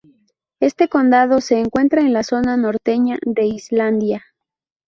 Este condado se encuentra en la zona norteña de Islandia.